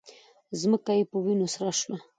ځمکه یې په وینو سره شوه